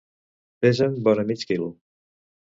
Pesen vora mig quilo.